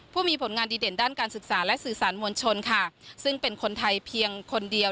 ผู้มีผลงานดีเด่นด้านการศึกษาและสื่อสารมวลชนค่ะซึ่งเป็นคนไทยเพียงคนเดียว